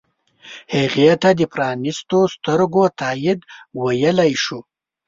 هغې ته د پرانیستو سترګو تایید ویلی شو.